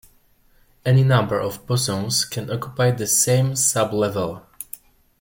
Any number of bosons can occupy the same sublevel.